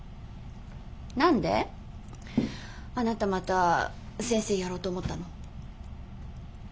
何であなたまた先生やろうと思ったの？